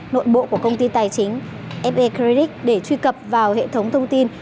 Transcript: nội bộ của công ty tài chính fa credit để truy cập vào hệ thống thông tin